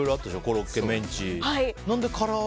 コロッケ、メンチ。